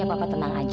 bapak bisa mengerti